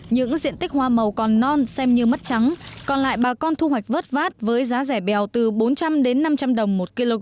những diện tích hoa màu còn non xem như mất trắng còn lại bà con thu hoạch vớt vát với giá rẻ bèo từ bốn trăm linh đến năm trăm linh đồng một kg